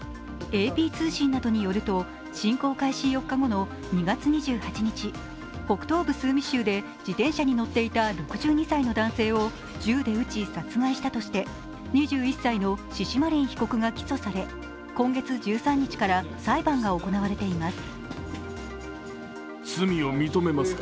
ＡＰ通信などによると、侵攻開始４日後の２月２８日、北東部スーミ州で自転車に乗っていた６２歳の男性を銃で撃ち殺害したとして２１歳のシシマリン被告が起訴され今月１３日から裁判が行われています。